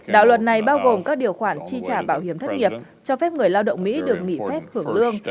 đạo luật này bao gồm các điều khoản chi trả bảo hiểm thất nghiệp cho phép người lao động mỹ được nghỉ phép hưởng lương